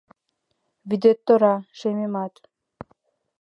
Вӱдет тора - шемемат.